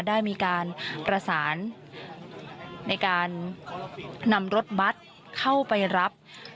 ได้มีการประสานในการนำรถบัตรเข้าไปรับ